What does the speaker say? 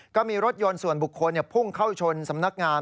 ก็มีรถยนต์ส่วนบุคคลพุ่งเข้าชนสำนักงาน